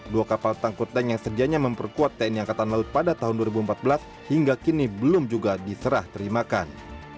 dua kapal tangkut tank yang sedianya memperkuat tni angkatan laut pada tahun dua ribu empat belas hingga kini belum juga diserah terimakan